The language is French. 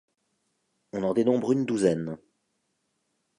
On en dénombre une douzaine.